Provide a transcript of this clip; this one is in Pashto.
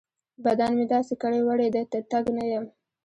بدن مې داسې کاړې واړې دی؛ د تګ نه يم.